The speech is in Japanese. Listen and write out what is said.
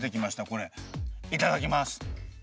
いただきます。